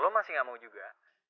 lo masih gak mau juga